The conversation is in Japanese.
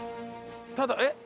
ただえっ？